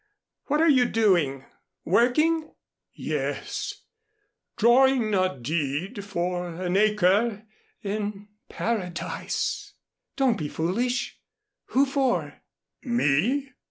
What are you doing? Working?" "Yes, drawing a deed for an acre in Paradise." "Don't be foolish. Who for?" "Me.